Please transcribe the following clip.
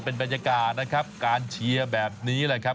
เป็นบรรยากาศนะครับการเชียร์แบบนี้แหละครับ